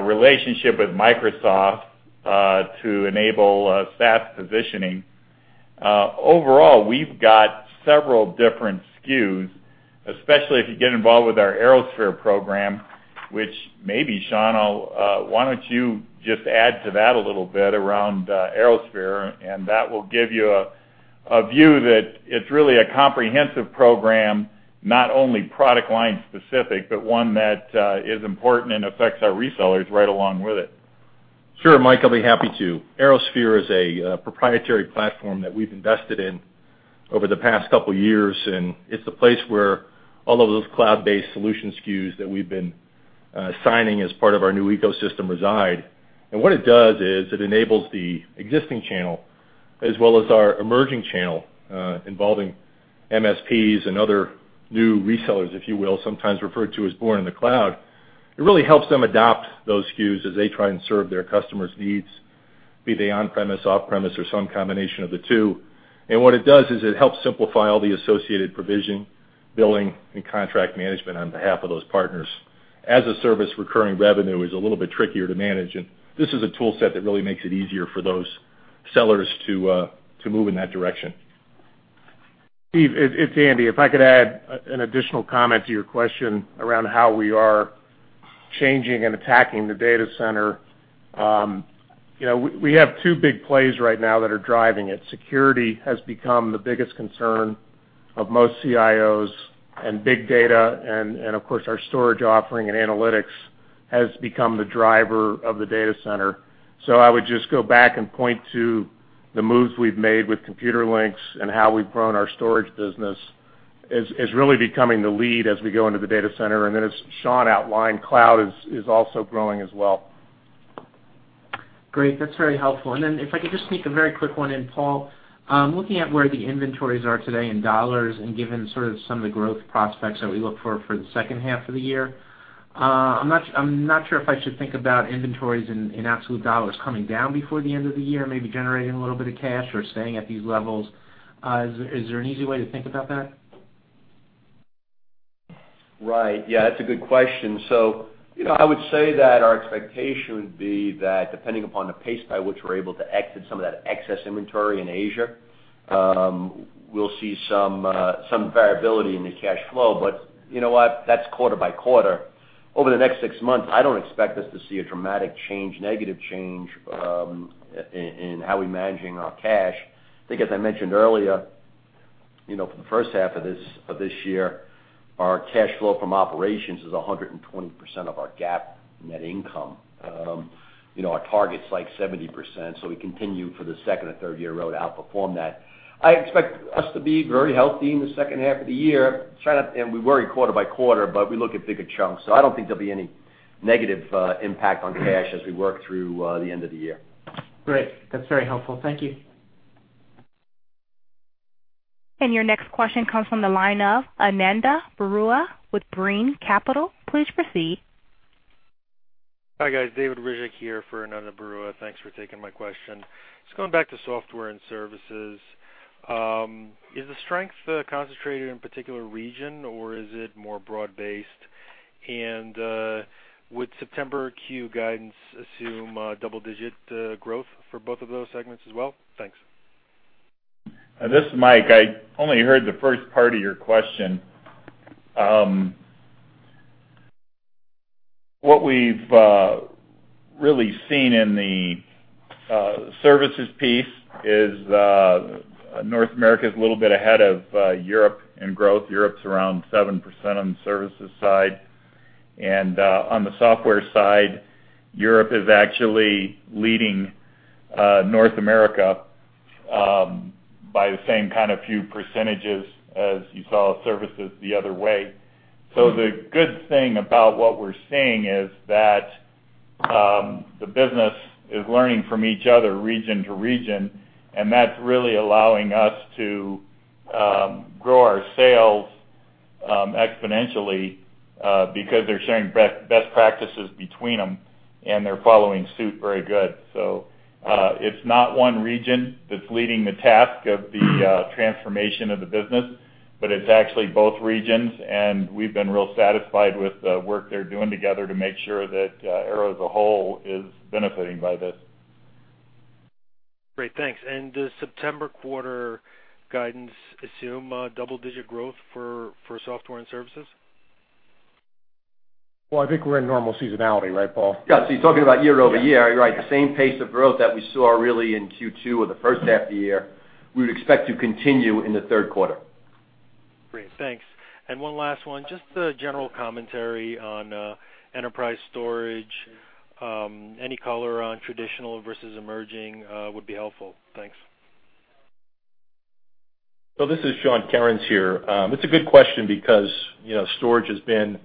relationship with Microsoft to enable SaaS provisioning. Overall, we've got several different SKUs, especially if you get involved with our ArrowSphere program, which maybe, Sean, I'll why don't you just add to that a little bit around ArrowSphere, and that will give you a view that it's really a comprehensive program, not only product line specific, but one that is important and affects our resellers right along with it. Sure, Mike, I'll be happy to. ArrowSphere is a proprietary platform that we've invested in over the past couple of years, and it's a place where all of those cloud-based solution SKUs that we've been signing as part of our new ecosystem reside. And what it does is, it enables the existing channel, as well as our emerging channel, involving MSPs and other new resellers, if you will, sometimes referred to as born in the cloud. It really helps them adopt those SKUs as they try and serve their customers' needs, be they on-premise, off-premise, or some combination of the two. And what it does is it helps simplify all the associated provision, billing, and contract management on behalf of those partners. As a service, recurring revenue is a little bit trickier to manage, and this is a tool set that really makes it easier for those sellers to move in that direction. Steve, it's Andy. If I could add an additional comment to your question around how we are changing and attacking the data center. You know, we have two big plays right now that are driving it. Security has become the biggest concern of most CIOs and big data, and of course, our storage offering and analytics has become the driver of the data center. So I would just go back and point to the moves we've made with Computerlinks and how we've grown our storage business is really becoming the lead as we go into the data center. And then, as Sean outlined, cloud is also growing as well. Great, that's very helpful. And then if I could just sneak a very quick one in, Paul. Looking at where the inventories are today in dollars and given sort of some of the growth prospects that we look for for the second half of the year, I'm not, I'm not sure if I should think about inventories in, in absolute dollars coming down before the end of the year, maybe generating a little bit of cash or staying at these levels. Is, is there an easy way to think about that? Right. Yeah, that's a good question. So, you know, I would say that our expectation would be that depending upon the pace by which we're able to exit some of that excess inventory in Asia, we'll see some variability in the cash flow. But you know what? That's quarter by quarter. Over the next six months, I don't expect us to see a dramatic change, negative change, in how we're managing our cash. I think, as I mentioned earlier, you know, for the first half of this year, our cash flow from operations is 100% of our GAAP net income. You know, our target's like 70%, so we continue for the second or third year in a row to outperform that. I expect us to be very healthy in the second half of the year, try not, and we worry quarter by quarter, but we look at bigger chunks, so I don't think there'll be any negative impact on cash as we work through the end of the year. Great. That's very helpful. Thank you. Your next question comes from the line of Ananda Baruah with Brean Capital. Please proceed. Hi, guys, David Ryzhik here for Ananda Baruah. Thanks for taking my question. Just going back to software and services, is the strength concentrated in a particular region, or is it more broad-based? And, would September Q guidance assume double-digit growth for both of those segments as well? Thanks. This is Mike. I only heard the first part of your question. What we've really seen in the services piece is North America is a little bit ahead of Europe in growth. Europe's around 7% on the services side. And on the software side, Europe is actually leading North America by the same kind of few percentages as you saw services the other way. So the good thing about what we're seeing is that the business is learning from each other, region to region, and that's really allowing us to grow our sales exponentially because they're sharing best, best practices between them, and they're following suit very good. So, it's not one region that's leading the task of the transformation of the business, but it's actually both regions, and we've been real satisfied with the work they're doing together to make sure that Arrow as a whole is benefiting by this. Great, thanks. Does September quarter guidance assume double digit growth for software and services? Well, I think we're in normal seasonality, right, Paul? Yeah, so you're talking about year over year, right? The same pace of growth that we saw really in Q2 or the first half of the year, we would expect to continue in the third quarter. Great. Thanks. And one last one. Just a general commentary on enterprise storage. Any color on traditional versus emerging would be helpful. Thanks. So this is Sean Kerins here. It's a good question because, you know, storage has been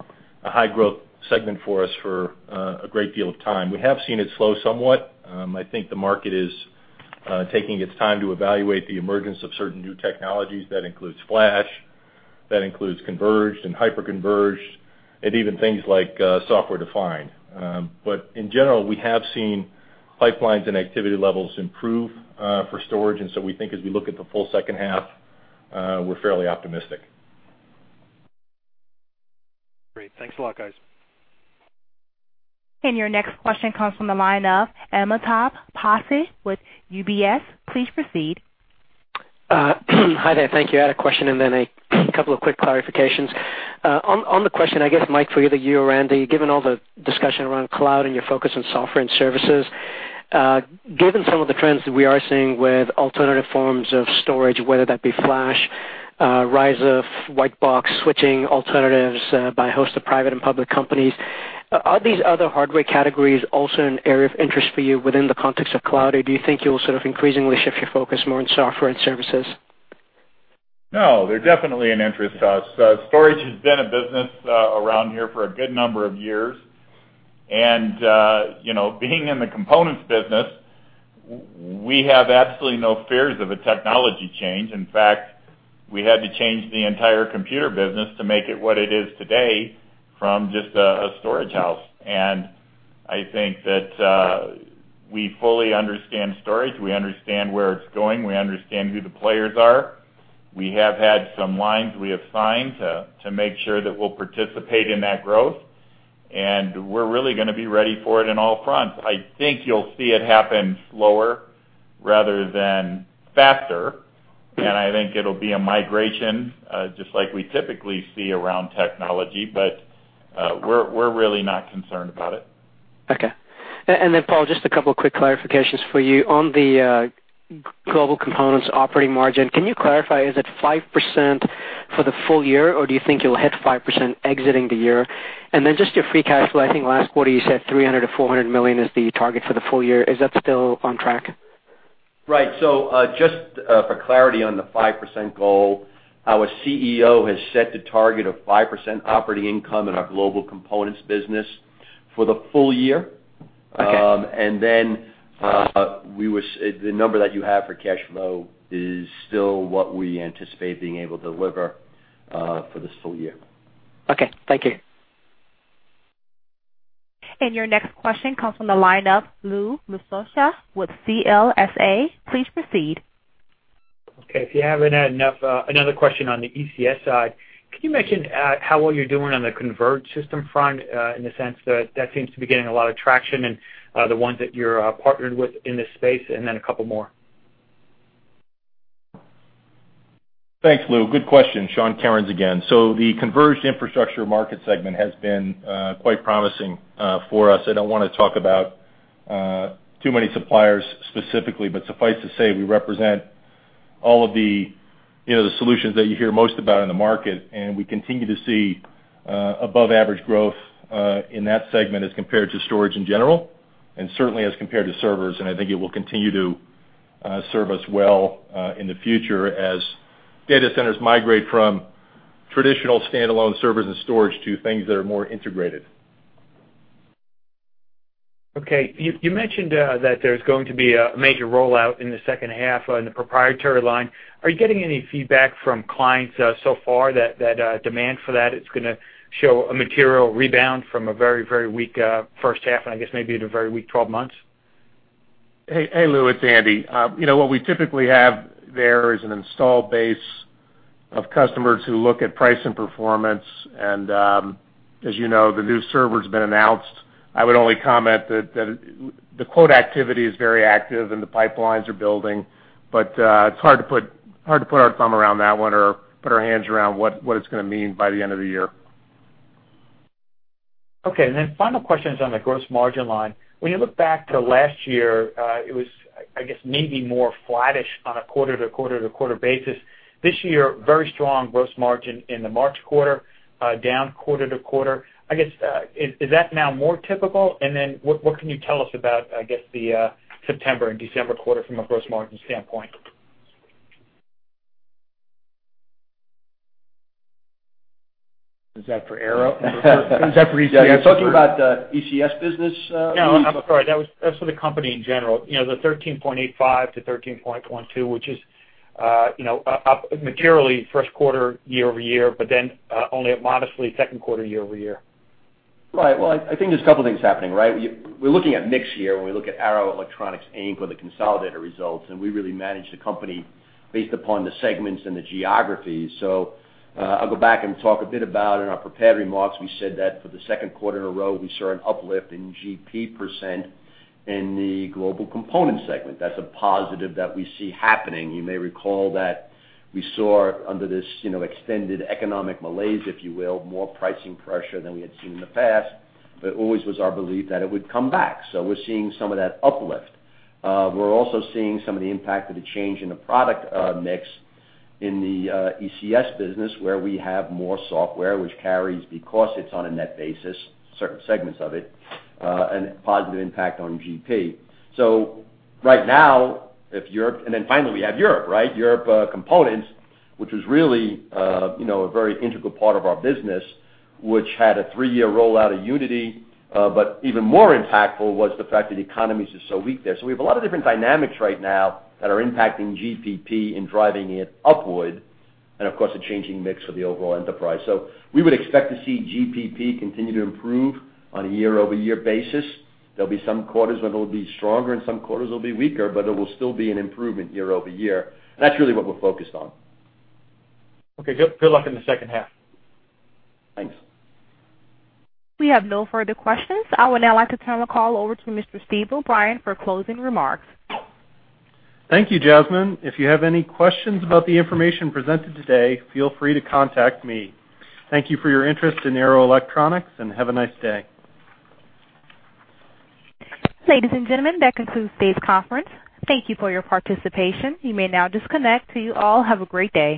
a high growth segment for us for a great deal of time. We have seen it slow somewhat. I think the market is taking its time to evaluate the emergence of certain new technologies. That includes Flash, that includes converged and hyper-converged, and even things like software-defined. But in general, we have seen pipelines and activity levels improve for storage, and so we think as we look at the full second half, we're fairly optimistic. Great. Thanks a lot, guys. Your next question comes from the line of Amitabh Passi with UBS. Please proceed. Hi there. Thank you. I had a question and then a couple of quick clarifications. On the question, I guess, Mike, for either you or Randy, given all the discussion around cloud and your focus on software and services, given some of the trends that we are seeing with alternative forms of storage, whether that be flash, rise of white box, switching alternatives, by a host of private and public companies, are these other hardware categories also an area of interest for you within the context of cloud? Or do you think you'll sort of increasingly shift your focus more on software and services? No, they're definitely an interest to us. Storage has been a business around here for a good number of years. And, you know, being in the components business, we have absolutely no fears of a technology change. In fact, we had to change the entire computer business to make it what it is today from just a storage house. And I think that we fully understand storage. We understand where it's going. We understand who the players are. We have had some lines we have signed to make sure that we'll participate in that growth, and we're really gonna be ready for it in all fronts. I think you'll see it happen slower rather than faster, and I think it'll be a migration just like we typically see around technology, but we're really not concerned about it. Okay. And then, Paul, just a couple of quick clarifications for you. On the Global Components operating margin, can you clarify, is it 5% for the full year, or do you think you'll hit 5% exiting the year? And then just your free cash flow. I think last quarter you said $300 million-$400 million is the target for the full year. Is that still on track? Right. So, just for clarity on the 5% goal, our CEO has set the target of 5% operating income in our global components business for the full year. Okay. And then, the number that you have for cash flow is still what we anticipate being able to deliver for this full year. Okay. Thank you. Your next question comes from the line of Louis Miscioscia with CLSA. Please proceed. Okay, if you haven't had enough, another question on the ECS side. Can you mention how well you're doing on the converged system front, in the sense that that seems to be getting a lot of traction and the ones that you're partnered with in this space? And then a couple more. Thanks, Lou. Good question. Sean Kerins again. So the converged infrastructure market segment has been quite promising for us. I don't want to talk about too many suppliers specifically, but suffice to say, we represent all of the, you know, the solutions that you hear most about in the market, and we continue to see above average growth in that segment as compared to storage in general, and certainly as compared to servers. And I think it will continue to serve us well in the future as data centers migrate from-... traditional standalone servers and storage to things that are more integrated. Okay. You mentioned that there's going to be a major rollout in the second half in the proprietary line. Are you getting any feedback from clients so far that demand for that is gonna show a material rebound from a very, very weak first half, and I guess maybe in a very weak twelve months? Hey, hey, Lou, it's Andy. You know, what we typically have there is an install base of customers who look at price and performance, and, as you know, the new server's been announced. I would only comment that the quote activity is very active, and the pipelines are building. But, it's hard to put our thumb around that one or put our hands around what it's gonna mean by the end of the year. Okay, and then final question is on the gross margin line. When you look back to last year, it was, I guess, maybe more flattish on a quarter-to-quarter-to-quarter basis. This year, very strong gross margin in the March quarter, down quarter to quarter. I guess, is that now more typical? And then what can you tell us about, I guess, the September and December quarter from a gross margin standpoint? Is that for Arrow? Is that for ECS? You're talking about the ECS business, Lou? No, I'm sorry. That was, that's for the company in general. You know, the 13.85 to 13.12, which is, you know, up materially, first quarter, year over year, but then, only modestly second quarter, year over year. Right. Well, I think there's a couple things happening, right? We're looking at mix here when we look at Arrow Electronics, Inc., or the consolidated results, and we really manage the company based upon the segments and the geographies. So, I'll go back and talk a bit about in our prepared remarks, we said that for the second quarter in a row, we saw an uplift in GP percent in the global component segment. That's a positive that we see happening. You may recall that we saw under this, you know, extended economic malaise, if you will, more pricing pressure than we had seen in the past, but it always was our belief that it would come back. So we're seeing some of that uplift. We're also seeing some of the impact of the change in the product mix in the ECS business, where we have more software, which carries, because it's on a net basis, certain segments of it, and a positive impact on GP. And then finally, we have Europe, right? Europe components, which was really, you know, a very integral part of our business, which had a three-year rollout of Unity, but even more impactful was the fact that the economies are so weak there. So we have a lot of different dynamics right now that are impacting GP percent and driving it upward, and of course, a changing mix for the overall enterprise. So we would expect to see GP percent continue to improve on a year-over-year basis. There'll be some quarters when it'll be stronger, and some quarters it'll be weaker, but it will still be an improvement year-over-year. That's really what we're focused on. Okay. Good, good luck in the second half. Thanks. We have no further questions. I would now like to turn the call over to Mr. Steve O'Brien for closing remarks. Thank you, Jasmine. If you have any questions about the information presented today, feel free to contact me. Thank you for your interest in Arrow Electronics, and have a nice day. Ladies and gentlemen, that concludes today's conference. Thank you for your participation. You may now disconnect. You all have a great day.